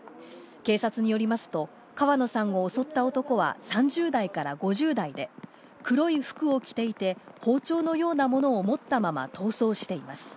警察によりますと川野さんを襲った男は３０代から５０代くらいで、黒い服を着ていて、包丁のようなものを持ったまま逃走しています。